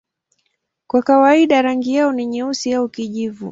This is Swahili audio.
Kwa kawaida rangi yao ni nyeusi au kijivu.